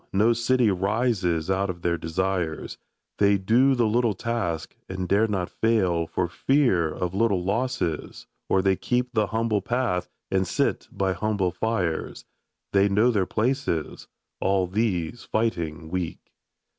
No city rises out of their desires ; They do the little task, and dare not fail For fear of little losses — or they keep The humble path and sit by humble fires; They know their places — all these fighting Weak!